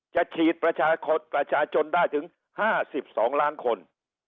จะฉีดประชาชนได้ถึง๕๒ล้านคน